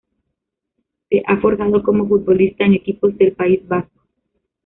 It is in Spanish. Se ha forjado como futbolista en equipos del País Vasco.